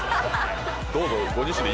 どうぞご自身で。